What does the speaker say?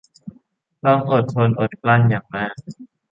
ต้องอดทนอดกลั้นอย่างมาก